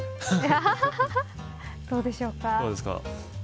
どうでしょうか。